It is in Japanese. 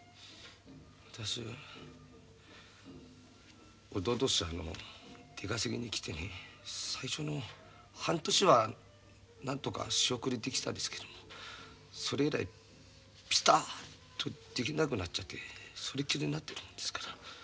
私おととしあの出稼ぎに来てね最初の半年はなんとか仕送りできたんですけどもそれ以来ピタッとできなくなっちゃってそれっきりになってるもんですから。